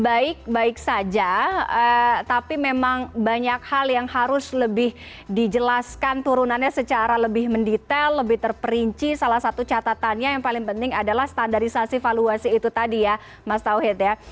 baik baik saja tapi memang banyak hal yang harus lebih dijelaskan turunannya secara lebih mendetail lebih terperinci salah satu catatannya yang paling penting adalah standarisasi valuasi itu tadi ya mas tauhid ya